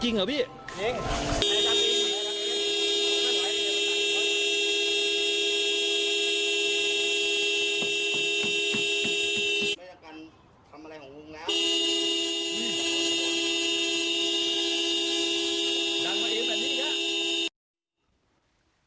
นี่ฮะ